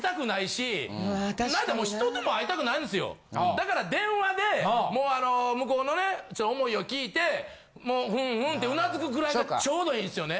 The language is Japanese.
だから電話でもうあの向こうのね思いを聞いてもうふんふんって頷くぐらいがちょうどいいんですよね。